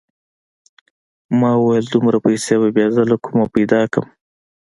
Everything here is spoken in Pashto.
ما وويل دومره پيسې به بيا زه له کومه پيدا کم.